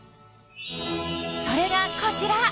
それが、こちら！